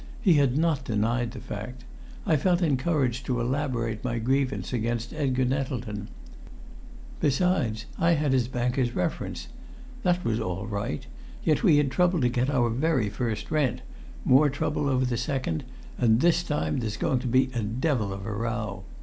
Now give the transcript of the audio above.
He had not denied the fact. I felt encouraged to elaborate my grievance against Edgar Nettleton. "Besides, I had his banker's reference. That was all right; yet we had trouble to get our very first rent, more trouble over the second, and this time there's going to be a devil of a row.